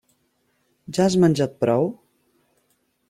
Ja has menjat prou?